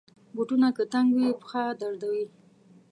بوټونه که تنګ وي، پښه دردوي.